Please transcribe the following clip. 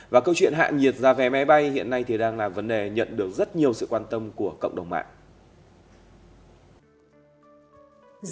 và câu chuyện hạ nhiệt ra vé máy bay hiện nay thì đang là vấn đề nhận được rất nhiều sự quan tâm của cộng đồng mạng